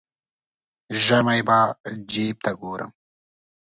ژمی به جیب ته ګورم.